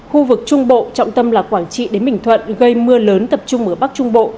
khu vực trung bộ trọng tâm là quảng trị đến bình thuận gây mưa lớn tập trung ở bắc trung bộ